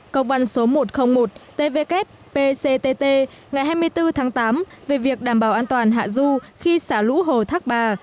công văn số một trăm linh một tvk pct ngày hai mươi bốn tháng tám về việc đảm bảo an toàn hạ du khi xả lũ hồ thác bà